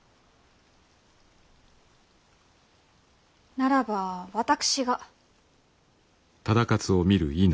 ならば私が。